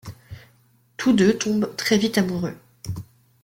Tous deux tombent très vite amoureux.